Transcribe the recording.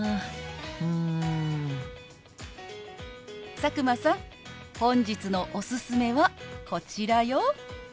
佐久間さん本日のおすすめはこちらよ。